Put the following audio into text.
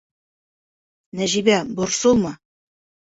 Нәжибә, борсолма.